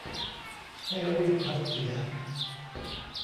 ให้รีบทำเสีย